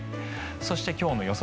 そして、今日の予想